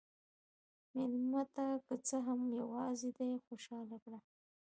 مېلمه ته که څه هم یواځې دی، خوشحال کړه.